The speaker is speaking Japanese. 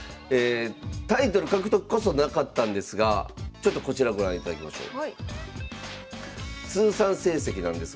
タイトル獲得こそなかったんですがちょっとこちらご覧いただきましょう。